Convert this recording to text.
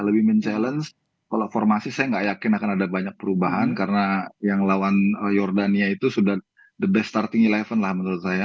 lebih mencabar kalau formasi saya nggak yakin akan ada banyak perubahan karena yang lawan jordania itu sudah the best starting sebelas lah menurut saya